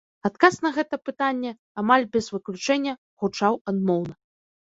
Адказ на гэта пытанне, амаль без выключэння, гучаў адмоўна.